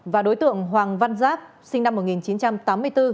và đối tượng hoàng văn giáp sinh năm một nghìn chín trăm tám mươi bốn